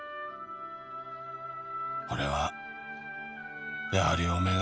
「ほれはやはりおめえが」